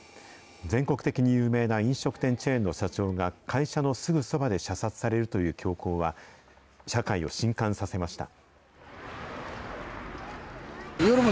全国的に有名な飲食店チェーンの社長が会社のすぐそばで射殺されるという凶行は、社会をしんかんさせました。